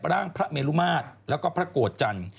ร่างพระเมลุมาตรแล้วก็พระโกรธจันทร์